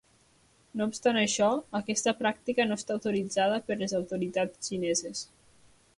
No obstant això, aquesta pràctica no està autoritzada per les autoritats xineses.